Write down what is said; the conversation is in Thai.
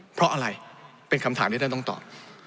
เพราะอะไรเป็นคำถามที่ท่านต้องตอบ